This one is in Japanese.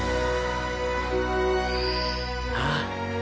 ああ！！